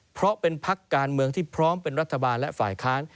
เพราะเป็นพักการเมืองที่พร้อมเป็นรัฐบาลและฝ่ายค้าน